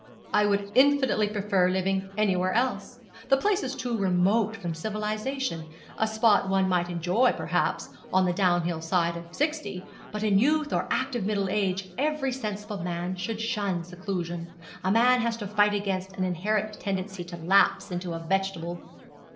'I would infinitely prefer living anywhere else. The place is too remote from civilization. A spot one might enjoy, perhaps, on the downhill side of sixty; but in youth or active middle age every sensible man should shun seclusion. A man has to fight against an inherent tendency to lapse into a vegetable.'